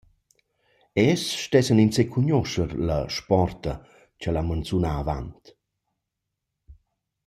Els stessan insè cugnuoscher la sporta ch’El ha manzunà avant?